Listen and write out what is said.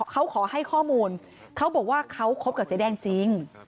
เขาขอให้ข้อมูลเขาบอกว่าเขาคบกับเจ๊แดงจริง